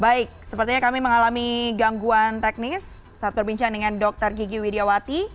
baik sepertinya kami mengalami gangguan teknis saat berbincang dengan dr gigi widiawati